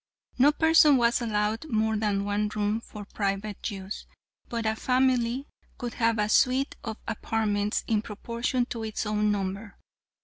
No person was allowed more than one room for private use, but a family could have a suite of apartments in proportion to its own number.